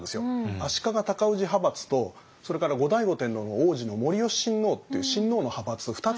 足利尊氏派閥とそれから後醍醐天皇の皇子の護良親王っていう親王の派閥２つの派閥があって。